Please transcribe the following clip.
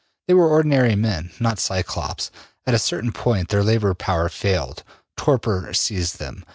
They were ordinary men, not Cyclops. At a certain point their labor power failed. Torpor seized them.